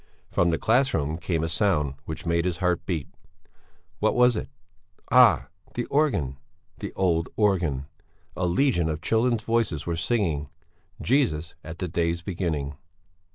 From the class room came a sound which made his heart beat what was it? Ah! The organ the old organ! a legion of children's voices were singing "Jesus, at the day's beginning...."